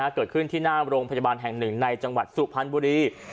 เกิดขึ้นที่หน้าโรงพยาบาลแห่งหนึ่งในจังหวัดสุพรรณบุรี